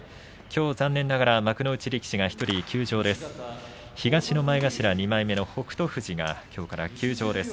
残念ながら幕内力士が１人休場です。